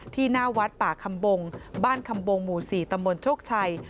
หน้าวัดป่าคำบงบ้านคำบงหมู่๔ตำบลโชคชัย